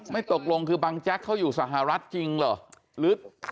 ตกลงคือบังแจ๊กเขาอยู่สหรัฐจริงเหรอ